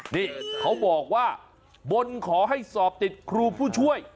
นี่เขาบอกว่าบนขอให้สอบติดครูผู้ช่วย